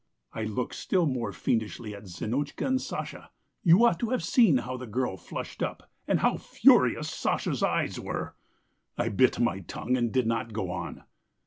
"I looked still more fiendishly at Zinotchka and Sasha. You ought to have seen how the girl flushed up, and how furious Sasha's eyes were! I bit my tongue and did not go on.